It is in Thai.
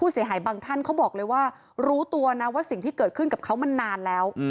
เสียหายบางท่านเขาบอกเลยว่ารู้ตัวนะว่าสิ่งที่เกิดขึ้นกับเขามันนานแล้ว